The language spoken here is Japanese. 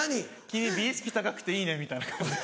「君美意識高くていいね」みたいな感じで。